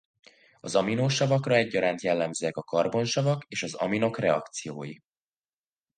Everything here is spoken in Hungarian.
Az aminosavakra egyaránt jellemzőek a karbonsavak és az aminok reakciói.